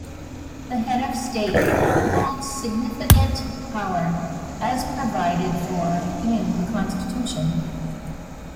The head of state holds significant power as provided for in the constitution.